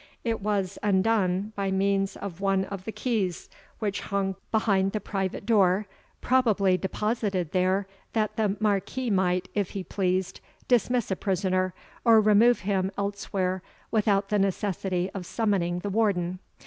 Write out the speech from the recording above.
It was undone by means of one of the keys which hung behind the private door, probably deposited there, that the Marquis might, if he pleased, dismiss a prisoner, or remove him elsewhere without the necessity of summoning the warden.